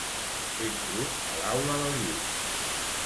Entro a l'aula del Lluís.